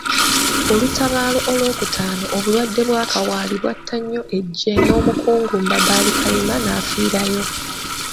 Olutabaalo olw'okutaano obulwadde bwa kawaali bwatta nnyo eggye n'Omukungu Mbabaali Kayima n'afiirayo.